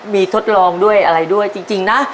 มีทดลองด้วยอะไรด้วยจริงนะ